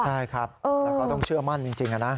ใช่ครับแล้วก็ต้องเชื่อมั่นจริงนะ